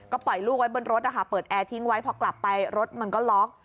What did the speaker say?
ปล่อยลูกไว้บนรถนะคะเปิดแอร์ทิ้งไว้พอกลับไปรถมันก็ล็อก